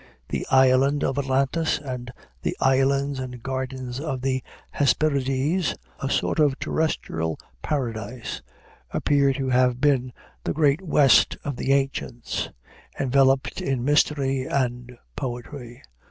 The island of Atlantis, and the islands and gardens of the Hesperides, a sort of terrestrial paradise, appear to have been the Great West of the ancients, enveloped in mystery and poetry.